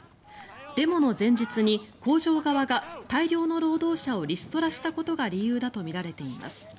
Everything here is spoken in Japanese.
デモの前日に工場側が大量の労働者をリストラしたことが理由だとみられています。